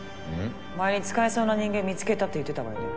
前に使えそうな人間見つけたって言ってたわよね？